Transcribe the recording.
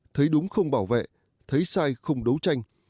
thấy đúng không bảo vệ thấy sai không đấu tranh